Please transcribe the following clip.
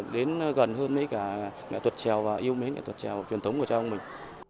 đến gần hơn mấy cả nghệ thuật trèo và yêu mến nghệ thuật trèo truyền thống của cháu và mình